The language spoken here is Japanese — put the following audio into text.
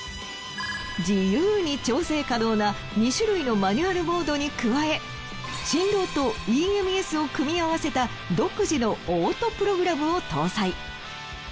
自由に調整可能な２種類のマニュアルモードに加え振動とＥＭＳを組み合わせた独自のオートプログラムを搭載。